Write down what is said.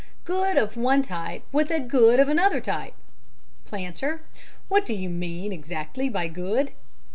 Good of one type with good of another type. PLANTER: What do you mean exactly by good?